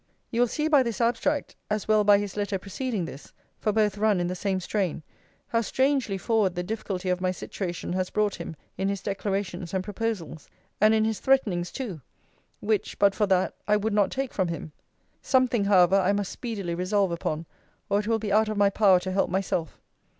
You will see by this abstract, as well by his letter preceding this, (for both run in the same strain,) how strangely forward the difficulty of my situation has brought him in his declarations and proposals; and in his threatenings too: which, but for that, I would not take from him. Something, however, I must speedily resolve upon, or it will be out of my power to help myself.